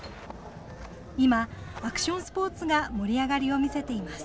今、アクションスポーツが盛り上がりを見せています。